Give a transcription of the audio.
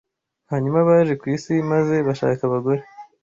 Hanyuma baje ku isi maze bashaka abagore